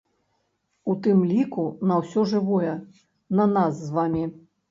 У тым ліку на ўсё жывое, на нас з вамі.